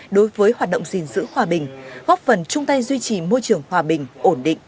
đối với hoạt động gìn giữ hòa bình góp phần chung tay duy trì môi trường hòa bình ổn định